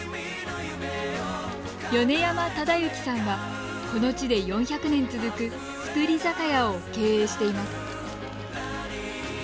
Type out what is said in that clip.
米山忠行さんはこの地で４００年続く造り酒屋を経営しています。